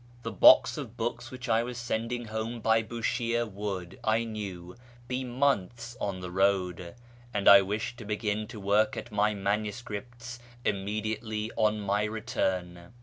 The box of books which I was sending home by Bushire would, I knew, be months on the road, and I wished to begin to work at my manuscripts immediately on my return.